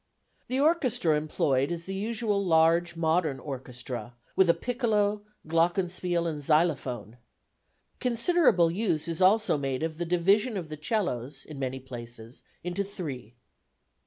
The orchestra employed is the usual large modern orchestra, with a piccolo, glockenspiel and xylophone. Considerable use is also made of the division of the 'cellos, in many places, into three.